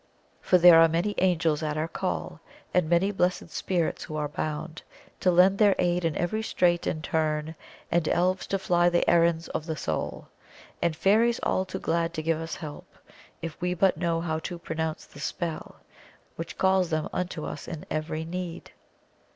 "For there are many angels at our call, And many blessed spirits who are bound To lend their aid in every strait and turn; And elves to fly the errands of the soul, And fairies all too glad to give us help, If we but know how to pronounce the spell Which calls them unto us in every need."